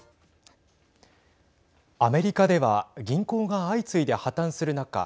アメリカでは銀行が相次いで破綻する中